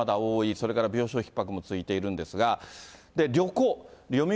それから病床ひっ迫も続いているんですが。